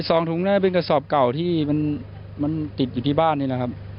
สองถุงน่าจะเป็นกระสอบเก่าที่มันติดอยู่ที่บ้านนี่แหละครับ